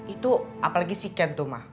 itu apalagi si ken tuh ma